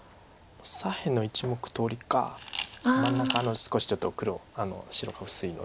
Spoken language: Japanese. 左辺の１目取りか真ん中の少しちょっと白が薄いので。